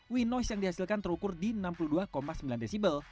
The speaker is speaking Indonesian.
wind noise yang dihasilkan terukur di enam puluh dua sembilan db